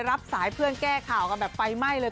รับสายเพื่อนแก้ข่าวกันแบบไฟไหม้เลย